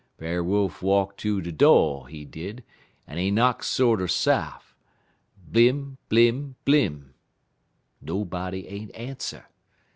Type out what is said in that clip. Brer Wolf walk ter de do', he did, en he knock sorter saf' blim! blim! blim! Nobody ain't answer.